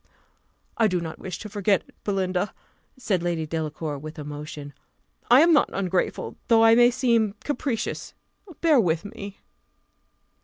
"I do not wish to forget it, Belinda," said Lady Delacour, with emotion; "I am not ungrateful, though I may seem capricious bear with me."